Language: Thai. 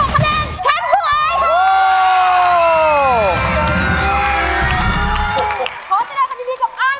๕๖คะแนนแชมป์ของอาย